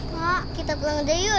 pak kita pulang aja yuk